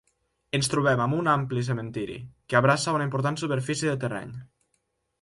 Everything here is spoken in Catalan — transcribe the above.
Ens trobem amb un ampli cementiri, que abraça una important superfície de terreny.